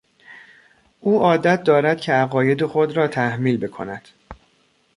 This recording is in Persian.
او عادت دارد که عقاید خود را تحمیل بکند.